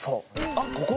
あっここ？